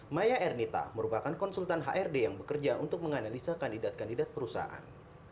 maya ernita merupakan konsultan hrd yang bekerja untuk menganalisa kandidat kandidat perusahaan